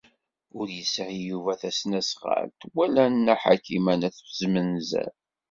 Ur yesɛi Yuba tasnasɣalt wala Nna Ḥakima n At Zmenzer.